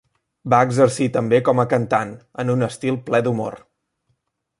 Va exercir també com a cantant, en un estil ple d'humor.